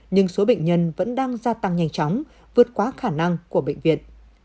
nhưng số bệnh nhân vẫn đang gia tăng nhanh chóng vượt qua khả năng của bệnh viện